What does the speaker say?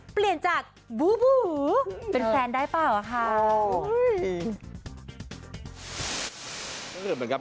เปลี่ยนจากบูบูเป็นแฟนได้เปล่าอะค่ะ